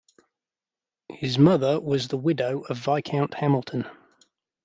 His mother was the widow of Viscount Hamilton.